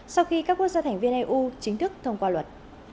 sau khi các quốc gia thành viên eu chính thức thông qua luật